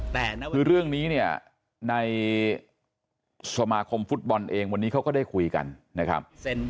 คือเรื่องนี้เนี่ยในสมาคมฟุตบอลเองวันนี้เขาก็ได้คุยกันนะครับ